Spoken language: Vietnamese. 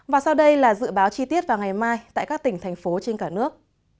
và sau đây là dự báo chi tiết vào ngày mai tại các tỉnh thành phố trên cả nước